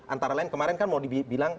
antara lain kemarin kan mau dibilang